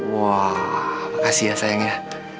wah makasih ya sayangnya